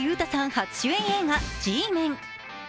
初主演映画「Ｇメン」。